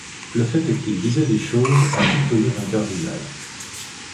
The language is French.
Le fait est qu’ils disaient des choses à étonner un cardinal.